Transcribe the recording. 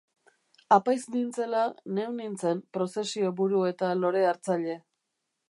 Apaiz nintzela, neu nintzen prozesio buru eta lore-hartzaile.